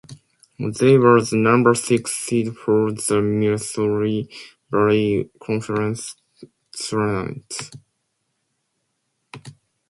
They were the number six seed for the Missouri Valley Conference Tournament.